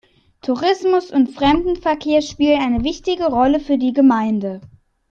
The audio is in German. Tourismus und Fremdenverkehr spielen eine wichtige Rolle für die Gemeinde.